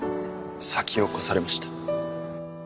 先を越されました